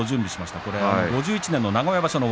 ５１年名古屋場所